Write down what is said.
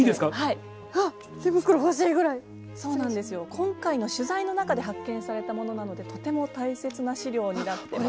今回の取材の中で発見されたものなのでとても大切な資料になってます。